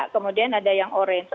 kemudian ada yang orange